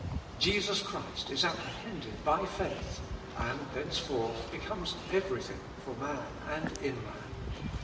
Jesus Christ is apprehended by faith, and thenceforth becomes every thing for man, and in man.